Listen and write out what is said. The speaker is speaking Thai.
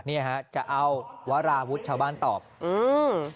เนี่ยฮะจะเอาวราวุฒิชาวบ้านตอบอืม